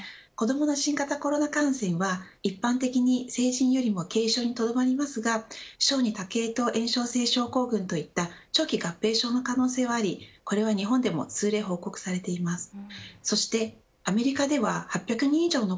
子どもの新型コロナ感染は一般的に成人よりも軽症にとどまりますが小児多系統炎症性症候群といった長期合併症の可能性がありこれは日本でも数例報告されています。